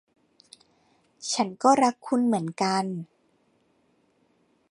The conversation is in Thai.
ฉันก็รักคุณเหมือนกัน